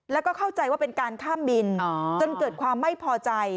แล้วก็เข้าใจว่าเป็นการข้ามบินจนเกิดความไม่พอใจ